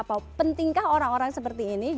apa pentingkah orang orang seperti ini